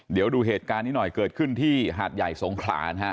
เดี๋ยวดูเหตุการณ์นี้หน่อยเกิดขึ้นที่หาดใหญ่สงขลานะฮะ